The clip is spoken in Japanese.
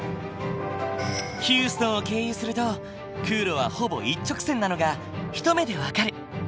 ヒューストンを経由すると空路はほぼ一直線なのが一目で分かる。